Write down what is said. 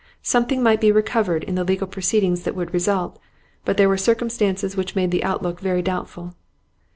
Something might be recovered in the legal proceedings that would result, but there were circumstances which made the outlook very doubtful.